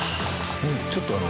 ちょっとあの。